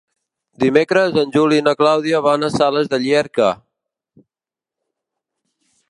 Dimecres en Juli i na Clàudia van a Sales de Llierca.